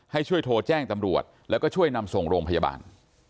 ให้ช่วยโทรแจ้งตำรวจแล้วก็ช่วยนำส่งโรงพยาบาล